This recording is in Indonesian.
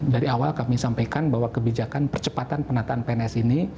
dari awal kami sampaikan bahwa kebijakan percepatan penataan pns ini